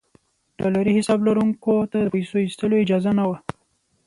ډالري حساب لرونکو ته د پیسو ایستلو اجازه نه وه.